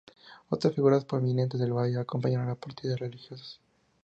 Otras figuras prominentes del valle acompañaron la partida de religiosos.